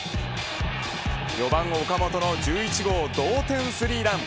４番、岡本の１１号同点スリーラン。